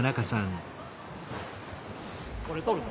これ撮るの？